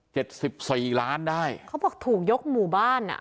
สิบสี่ล้านได้เขาบอกถูกยกหมู่บ้านอ่ะ